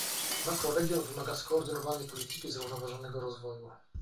Makroregion wymaga skoordynowanej polityki zrównoważonego rozwoju